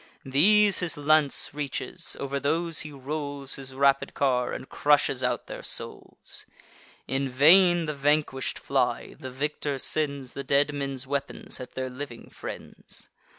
These his lance reaches; over those he rolls His rapid car, and crushes out their souls: In vain the vanquish'd fly; the victor sends The dead men's weapons at their living friends.